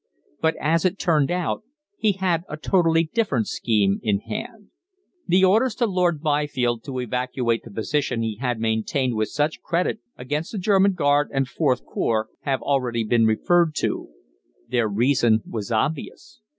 But, as it turned out, he had a totally different scheme in hand. The orders to Lord Byfield to evacuate the position he had maintained with such credit against the German Garde and IVth Corps have already been referred to. Their reason was obvious.